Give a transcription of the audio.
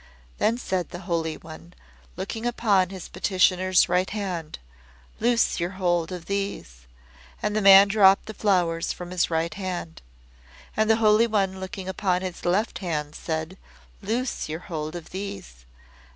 Then said the Holy One, looking upon his petitioner's right hand; "Loose your hold of these." And the man dropped the flowers from his right hand. And the Holy One looking upon his left hand, said; "Loose your hold of these."